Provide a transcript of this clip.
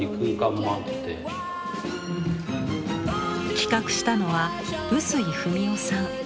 企画したのは臼井二美男さん。